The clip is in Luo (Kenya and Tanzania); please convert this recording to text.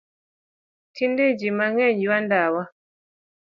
Tinde jii mangeny ywayo ndawa.